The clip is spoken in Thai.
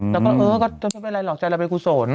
แล้วก็เออก็จะไม่เป็นไรหรอกใจเราเป็นกุศล